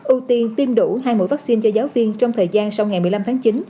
ưu tiên tiêm đủ hai mũi vaccine cho giáo viên trong thời gian sau ngày một mươi năm tháng chín